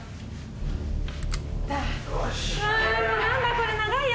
これ長いよ！